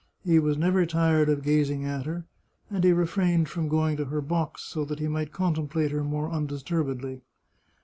He was never tired of gazing at her, and he refrained from going to her box so that he might contemplate her more undisturbedly.